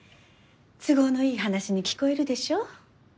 都合のいい話に聞こえるでしょ？